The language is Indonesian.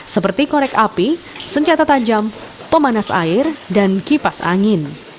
seperti korek api senjata tajam pemanas air dan kipas angin